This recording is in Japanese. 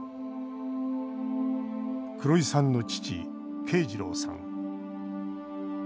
黒井さんの父・慶次郎さん。